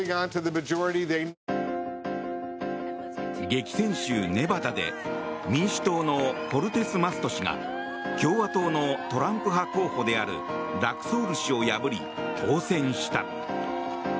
激戦州ネバダで民主党のコルテスマスト氏が共和党のトランプ派候補であるラクソール氏を破り当選した。